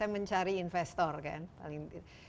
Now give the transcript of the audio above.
mencari investor kan